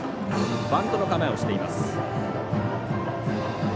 バントの構えをしています。